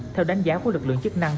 theo đánh giá của lực lượng chức năng